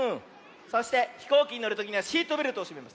そしてひこうきにのるときにはシートベルトをしめます。